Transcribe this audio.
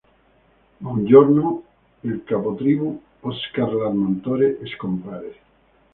Ma un giorno il capotribù, Oscar l’Armatore, scompare.